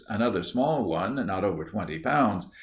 Another small one, not over twenty pounds.